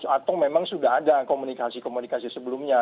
atau memang sudah ada komunikasi komunikasi sebelumnya